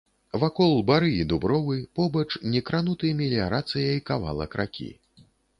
Вакол бары і дубровы, побач некрануты меліярацыяй кавалак ракі.